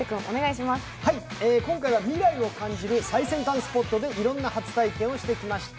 今回は未来を感じる最先端スポットでいろんな初体験をしてきました。